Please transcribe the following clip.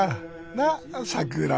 なさくら！